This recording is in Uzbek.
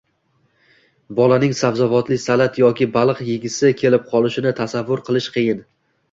bolaning sabzavotli salat yoki baliq yegisi kelib qolishini tasavvur qilish qiyin.